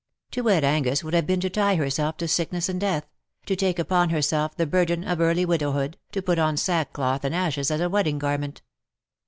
To wed Angus would have been to tie herself to sickness and death — to take upon herself the burden of early widowhood, to put on sackcloth and ashes as a wedding garment.